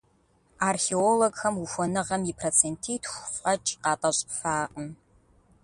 Археологхэм ухуэныгъэм и процентитху фӀэкӀ къатӏэщӏыфакъым.